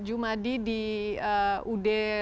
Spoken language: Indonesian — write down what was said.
jumadi di ud